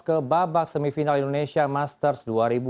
ke babak semifinal indonesia masters dua ribu tiga